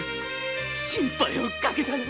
心配をかけたな。